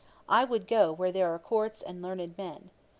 I would go where there are courts and learned men.